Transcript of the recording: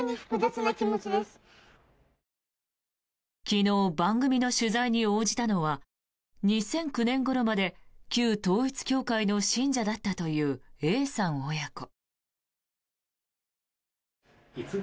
昨日、番組の取材に応じたのは２００９年ごろまで旧統一教会の信者だったというＡさん親子。